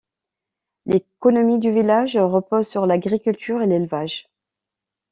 L'économie du village repose sur l'agriculture et l'élevage.